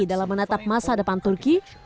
dalam menatap masa depan turki